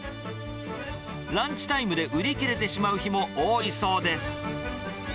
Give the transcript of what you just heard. ランチタイムで売り切れてしまう日も多いそうです。